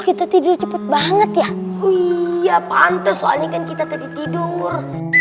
kita tidur cepet banget ya iya pantas soalnya kan kita tadi tidur